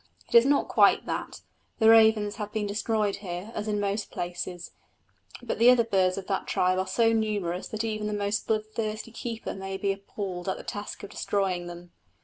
It is not quite that; the ravens have been destroyed here as in most places; but the other birds of that tribe are so numerous that even the most bloodthirsty keeper might be appalled at the task of destroying them.